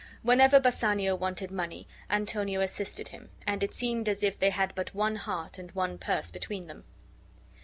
Whenever Bassanio wanted money Antonio assisted him; and it seemed as if they had but one heart and one purse between them.